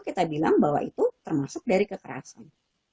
kita bilang bahwa itu termasuk dari kekerasan